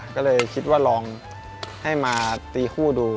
ก็เลยคิดว่าลองให้มาตีคู่ดู